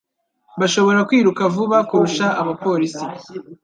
bashobora kwiruka vuba kurusha abapolisi